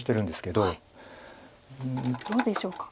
どうでしょうか。